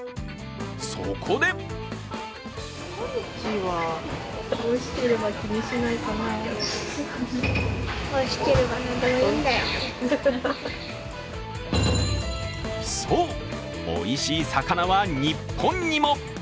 そこでそう、おいしい魚は日本にも。